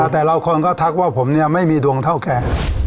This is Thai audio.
แต่เราคนก็ทักว่าผมเนี่ยไม่มีดวงเท่าแก